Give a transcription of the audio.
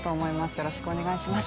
よろしくお願いします。